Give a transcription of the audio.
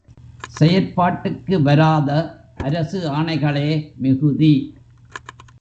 செயற்பாட்டுக்கு வராத, அரசு ஆணைகளே மிகுதி.